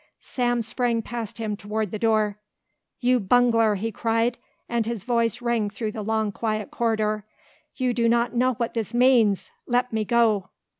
Sam sprang past him toward the door. "You bungler," he cried, and his voice rang through the long quiet corridor. "You do not know what this means. Let me go."